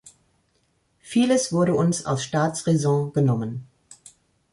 Vieles wurde uns aus Staatsräson genommen.